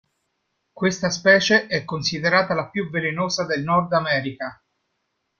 Questa specie è considerata la più velenosa del nord America.